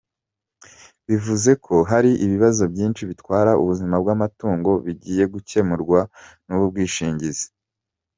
Bivuze ko hari ibibazo byinshi bitwara ubuzima bw’amatungo bigiye gukemurwa n’ubu bwishingizi.